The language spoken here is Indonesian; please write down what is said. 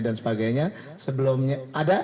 dan sebagainya sebelumnya ada